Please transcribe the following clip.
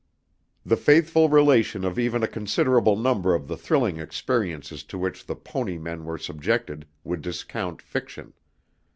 The faithful relation of even a considerable number of the thrilling experiences to which the "Pony" men were subjected would discount fiction.